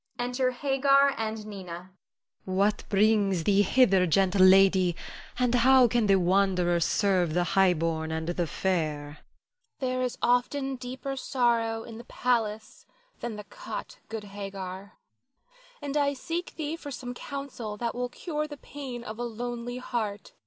Enter_ Hagar and Nina.] Hagar. What brings thee hither, gentle lady, and how can the wanderer serve the high born and the fair? Nina [sadly]. There is often deeper sorrow in the palace than the cot, good Hagar, and I seek thee for some counsel that will cure the pain of a lonely heart.